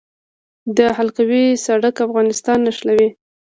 د حلقوي سړک افغانستان نښلوي